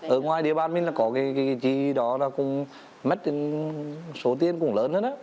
ở ngoài địa bàn mình là có cái gì đó là cũng mất số tiền cũng lớn hết